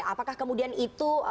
apakah kemudian itu